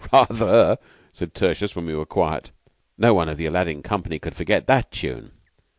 "Rather," said Tertius, when we were quiet. No one of the Aladdin company could forget that tune.